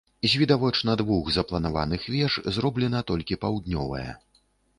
З відавочна двух запланаваных веж зроблена толькі паўднёвая.